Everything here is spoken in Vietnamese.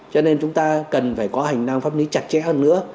cho nên chúng ta cần phải có hành năng pháp lý chặt chẽ hơn nữa